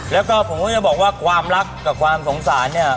แล้วก็ผมก็จะบอกว่าความรักกับความสงสารเนี่ย